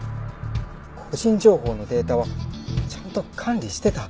個人情報のデータはちゃんと管理してた。